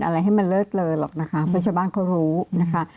อะไรให้มันเลิศเลอหรอกนะคะเพราะชาวบ้านเขารู้นะคะ